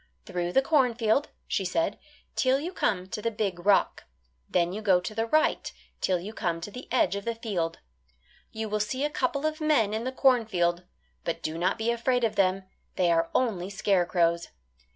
"Through the cornfield," she said, "'till you come to the big rock; then you go to the right 'till you come to the edge of the field. You will see a couple of men in the cornfield. But do not be afraid of them; they are only scarecrows.